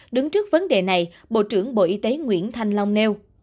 đứng trước vấn đề này bộ trưởng bộ y tế nguyễn thanh long nêu